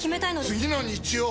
次の日曜！